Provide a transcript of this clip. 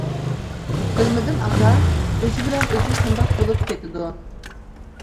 -بىلمىدىم ئاكا، ئۆزى بىلەن ئۆزى شۇنداق بولۇپ كېتىدۇ.